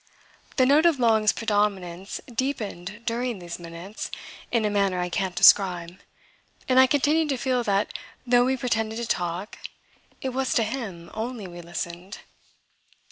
The note of Long's predominance deepened during these minutes in a manner I can't describe, and I continued to feel that though we pretended to talk it was to him only we listened.